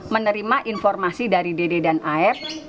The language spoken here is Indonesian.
menerima informasi dari dede dan af